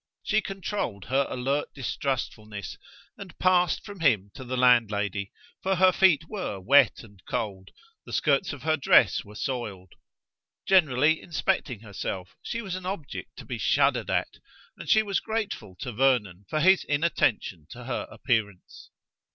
She controlled her alert distrustfulness, and passed from him to the landlady, for her feet were wet and cold, the skirts of her dress were soiled; generally inspecting herself, she was an object to be shuddered at, and she was grateful to Vernon for his inattention to her appearance.